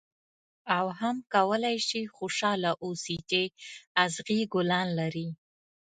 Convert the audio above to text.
او هم کولای شې خوشاله اوسې چې اغزي ګلان لري.